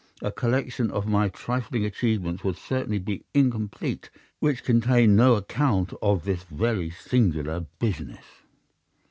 A collection of my trifling achievements would certainly be incomplete which contained no account of this very singular business.